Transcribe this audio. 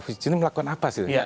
fujitsu ini melakukan apa sih